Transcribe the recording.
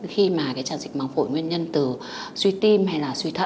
khi mà tràn dịch măng phổi nguyên nhân từ suy tim hay là suy thận